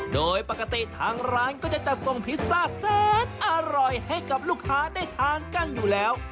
โดยปกติทางร้านก็จะจัดส่งพิซซ่าแซนอร่อยให้กับลูกค้าได้ทานกันอยู่แล้ว